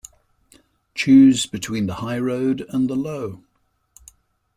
Choose between the high road and the low.